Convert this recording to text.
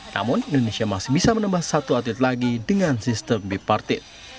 namun indonesia masih bisa menambah satu atlet lagi dengan sistem bipartit